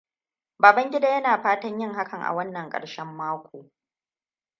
Babangida yana fatan yin hakan a wannan karshen mako.